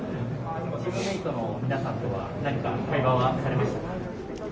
チームメートの皆さんとは何か会話はされましたか。